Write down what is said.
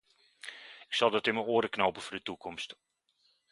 Ik zal dat in mijn oren knopen voor de toekomst.